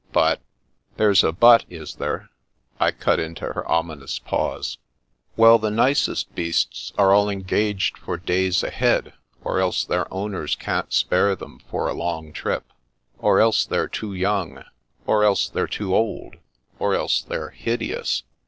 But "" There's a * but,' is there? " I cut into her omi nous pause. " Well, the nicest beasts are all engaged for days ahead, or else their owners can't spare them for a long trip ; or else they're too young ; or else they're too old; or else they're hideous.